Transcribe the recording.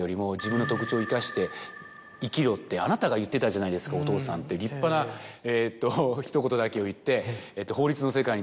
「ってあなたが言ってたじゃないですかお父さん」って立派なひと言だけを言って。とか